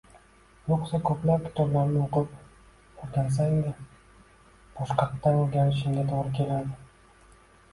Yoʻqsa, ko’plab kitoblarni oʻqib, oʻrgansang-da, boshqatdan oʻrganishingga toʻgʻri keladi…